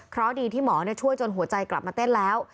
เพราะดีที่หมอช่วยจนหัวใจกลับมาเต้นแล้ว